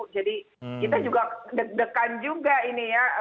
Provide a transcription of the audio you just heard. jadi kita juga deg degan juga ini ya